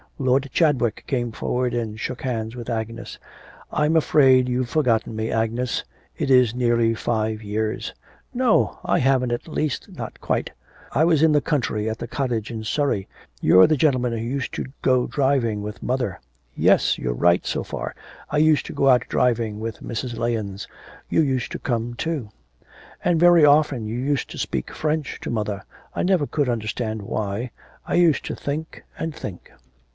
Lord Chadwick came forward and shook hands with Agnes. 'I'm afraid you've forgotten me, Agnes. It is nearly five years ' 'No; I haven't, at least not quite. It was in the country, at the cottage in Surrey. You're the gentleman who used to go out driving with mother.' 'Yes; you're right so far, I used to go out driving with Mrs. Lahens. You used to come too.' 'And very often you used to speak French to mother. I never could understand why I used to think and think.'